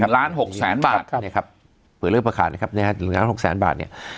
๑ล้าน๖แสนบาทครับเผื่อเหลือเผื่อขาดเนี่ยครับ๑ล้าน๖แสนบาทเนี่ย